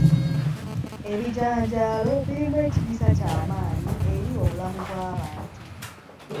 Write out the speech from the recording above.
Ebijanjaalo birimu ekiriisa ky'amaanyi eri obulamu bw'abantu